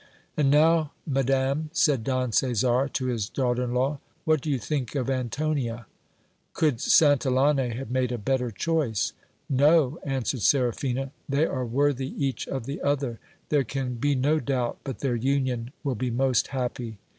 And now, madam ! said Don Caesar to his daughter in law, what do you think of Antonia ? Could Santillane have made a better choice ? No, answered Seraphina, they are worthy each of the other ; there can be no doubt but their union will be most happy.